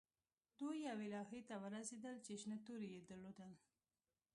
دوی یوې لوحې ته ورسیدل چې شنه توري یې درلودل